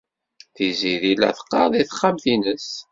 Tiziri la teqqar deg texxamt-nnes.